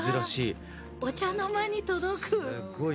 お茶の間に届く。